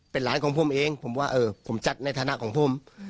เป็นร้านของผมเองผมว่าเออผมจัดในฐานะของผม